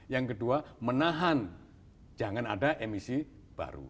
yang kedua menahan jangan ada emisi baru